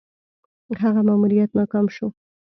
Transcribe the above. هغه ماموریت ناکام شو.